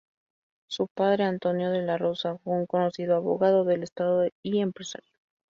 Su padre, Antonio de la Rosa, fue un conocido abogado del Estado y empresario.